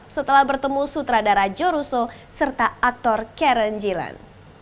setelah bertemu sutradara joruso serta aktor karen gillan